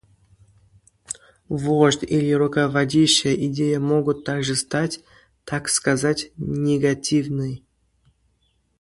Вождь или руководящая идея могут также стать, так сказать, негативны.